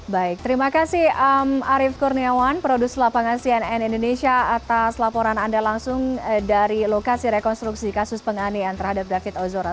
baik terima kasih arief kurniawan produser lapangan cnn indonesia atas laporan anda langsung dari lokasi rekonstruksi kasus penganian terhadap david ozora